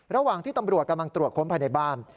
ระหว่างที่ตำรวจกำลังตรวจค้นภายในบ้าน